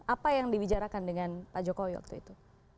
apa yang dibicarakan dengan pak jokowi waktu itu